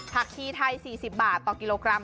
ชีไทย๔๐บาทต่อกิโลกรัม